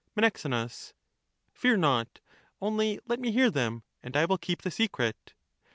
Menexenus. Men. Fear not ; only let me hear them, and I will keep the secret.